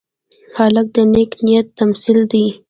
هلک د نیک نیت تمثیل دی.